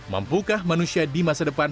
mampukah manusia di masa depan